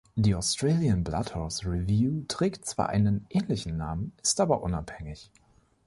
Die „Australian Bloodhorse Review“ trägt zwar einen ähnlichen Namen, ist aber unabhängig.